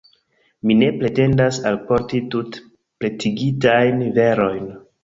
Mi ne pretendas alporti tute pretigitajn verojn.